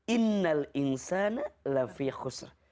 innal insana lafi khusr